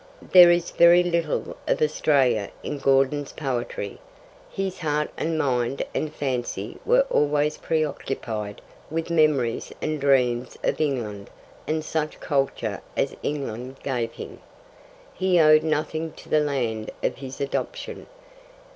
There is very little of Australia in Gordon's poetry. His heart and mind and fancy were always preoccupied with memories and dreams of England and such culture as England gave him. He owed nothing to the land of his adoption.